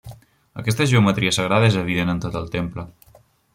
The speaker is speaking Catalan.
Aquesta geometria sagrada és evident en tot el temple.